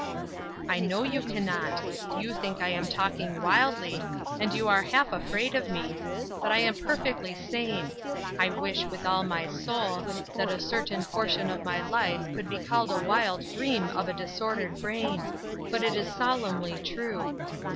"I know you can not. You think I am talking wildly, and you are half afraid of me; but I am perfectly sane. I wish, with all my soul, that a certain portion of my life could be called a wild dream of a disordered brain; but it is solemnly true.